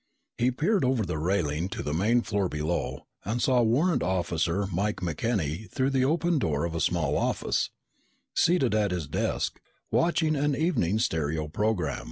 He peered over the railing to the main floor below and saw Warrant Officer Mike McKenny through the open door of a small office, seated at his desk, watching an evening stereo program.